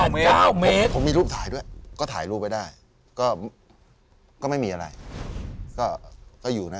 ๙เมตรผมมีรูปถ่ายด้วยก็ถ่ายรูปไว้ได้ก็ไม่มีอะไรก็ก็อยู่นะ